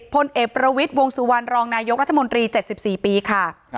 พลเอกประวิทย์วงสุวรรณรองนายกรัฐมนตรี๗๔ปีค่ะ